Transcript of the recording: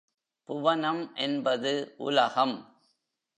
புவனம் என்பது உலகம்.